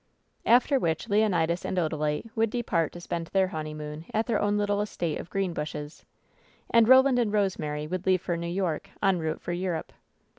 After which Leonidas and Odalite would depart to spend their honeymoon at their own little estate of Greenbushes, and Roland and Rosemary would leave for New York en route for Europe.